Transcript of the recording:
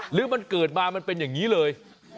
หรือมันเกิดมามันเป็นอย่างนี้เลย